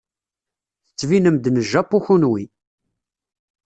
Tettbinem-d n Japu kunwi.